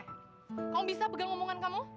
kamu bisa pegang omongan kamu